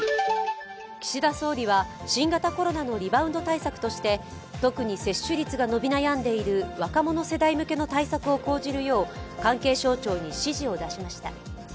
岸田総理は新型コロナのリバウンド対策として特に接種率が伸び悩んでいる若者世代向けの対策を講じるよう関係省庁に指示を出しました。